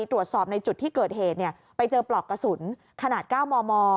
ตรวจสอบในจุดที่เกิดเหตุไปเจอปลอกกระสุนขนาด๙มม